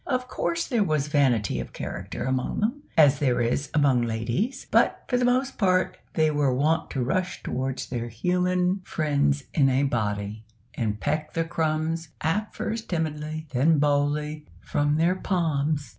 Of course there was vanity of character among them, as there is among ladies; but, for the most part, they were wont to rush towards their human friends in a body, and peck the crumbs at first timidly, then boldly from their palms.